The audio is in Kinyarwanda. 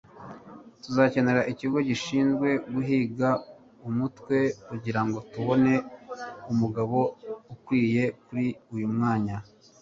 Tuzakenera ikigo gishinzwe guhiga umutwe kugirango tubone umugabo ukwiye kuri uyu mwanya